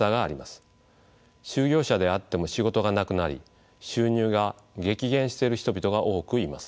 就業者であっても仕事がなくなり収入が激減している人々が多くいます。